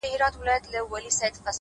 • او توري څڼي به دي ـ